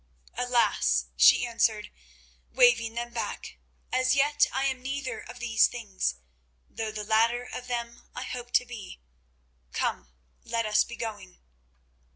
"Alas!" she answered, waving them back. "As yet I am neither of these things, though the latter of them I hope to be. Come; let us be going."